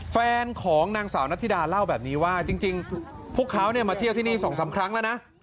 แฟนของนางสาวนัทธิดาเล่าแบบนี้ว่าจริงพวกเขามาเที่ยวที่นี่๒๓ครั้งแล้วนะ